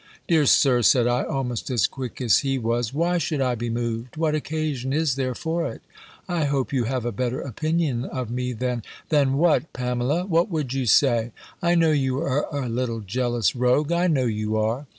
"Dear Sir," said I, almost as quick as he was, "why should I be moved? What occasion is there for it? I hope you have a better opinion of me than " "Than what, Pamela? What would you say? I know you are a little jealous rogue, I know you are."